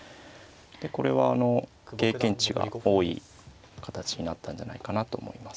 でこれはあの経験値が多い形になったんじゃないかなと思います。